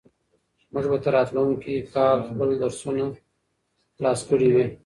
موږ به تر راتلونکي کاله خپل درسونه خلاص کړي وي.